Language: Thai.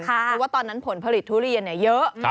เพราะว่าตอนนั้นผลผลิตทุเรียนเยอะ